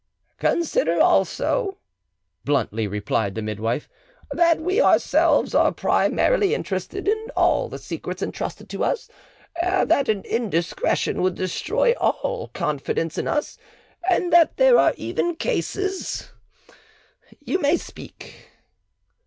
"Consider also," bluntly replied the midwife, "that we ourselves are primarily interested in all the secrets entrusted to us; that an indiscretion would destroy all confidence in us, and that there are even cases——You may speak."